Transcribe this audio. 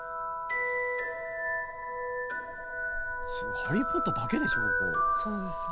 「ハリー・ポッター」だけでしょ？